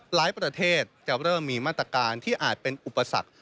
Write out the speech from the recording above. ประเทศจะเริ่มมีมาตรการที่อาจเป็นอุปสรรค